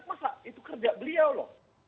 masa itu kerja beliau loh